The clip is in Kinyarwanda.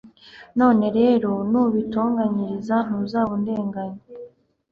none rero, nubintonganyiriza ntuzaba undenganya